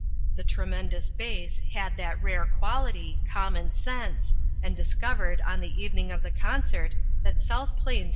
The tremendous bass had that rare quality, common sense, and discovered on the evening of the concert that South Plains 366 INTERRUPTED.